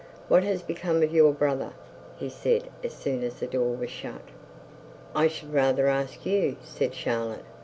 'What has become of your brother?' he said, as soon as the door was shut. 'I should rather ask you,' said Charlotte.